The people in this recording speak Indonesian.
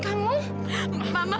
kak ayah pas prabu